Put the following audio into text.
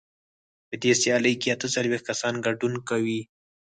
په دې سیالۍ کې اته څلوېښت کسان ګډون کوي.